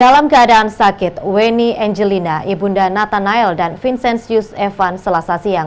dalam keadaan sakit wenny angelina ibunda natha nail dan vincenzius evan selasa siang